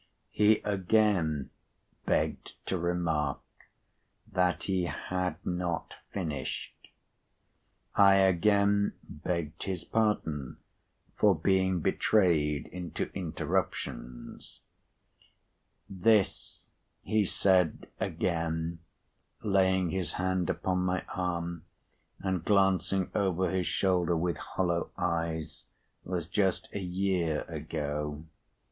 He again begged to remark that he had not finished. I again begged his pardon for being betrayed into interruptions. "This," he said, again laying his hand upon my arm, and glancing over his shoulder with hollow eyes, "was just a year ago.